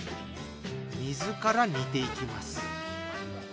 水から煮ていきます。